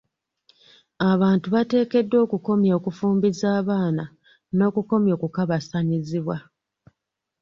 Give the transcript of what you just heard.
Abantu bateekeddwa okukomya okufumbiza abaana n'okukomya okukabasanyizibwa.